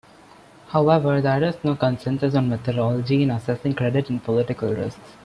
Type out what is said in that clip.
However, there is no consensus on methodology in assessing credit and political risks.